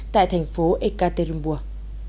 tại thành phố ekaterinburg